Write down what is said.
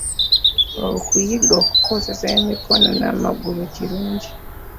Okuyiga okukozesa emikono n’amagulu kirungi.